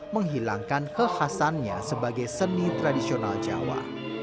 menghilangkan kekhasannya sebagai seni tradisional jawa